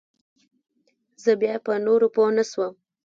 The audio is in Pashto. زه بيا په نورو پوه نسوم.